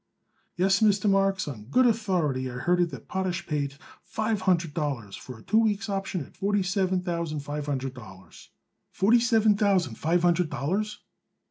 "Yes, Mr. Marks, on good authority I heard it that Potash pays five hundred dollars for a two weeks' option at forty seven thousand five hundred dollars." "Forty seven thousand five hundred dollars?"